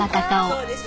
そうです。